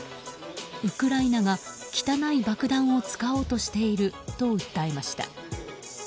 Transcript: ウクライナが汚い爆弾を使おうとしていると訴えました。